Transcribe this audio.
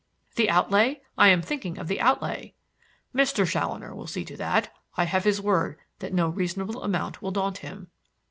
"The outlay? I am thinking of the outlay." "Mr. Challoner will see to that. I have his word that no reasonable amount will daunt him."